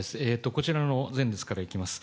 こちらの前列からいきます。